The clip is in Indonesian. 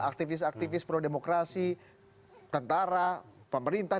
aktivis aktivis pro demokrasi tentara pemerintah